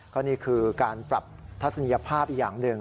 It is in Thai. ก็นี่คือการปรับทัศนียภาพอีกอย่างหนึ่ง